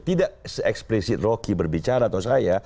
tidak se eksplisit rocky berbicara atau saya